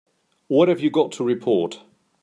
What have you got to report?